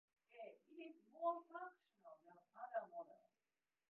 アイスクリーム